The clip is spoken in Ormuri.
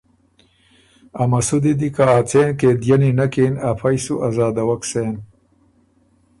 ا مسُودی دی کی ا څېن قېدينی نک اِن، افئ سُو آزادَوَک سېن۔